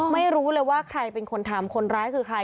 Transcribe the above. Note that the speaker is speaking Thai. ไม่รู้เลยว่าใครเป็นคนทำคนร้ายคือใคร